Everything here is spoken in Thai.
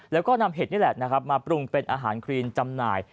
แล้วก็นำเห็ดนี่แหละนะครับมาปรุงเป็นอาหารครีนจำหน่าย